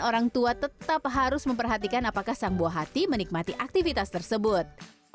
orang tua tetap harus memperhatikan apakah sang buah hati menikmati aktivitas tersebut